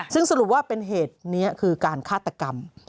ซึ่งสรุปว่าเป็นเหตุนี้คือการฆาตกรรม